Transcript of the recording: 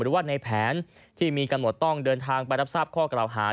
หรือว่าในแผนที่มีกำหนดต้องเดินทางไปรับทราบข้อกล่าวหา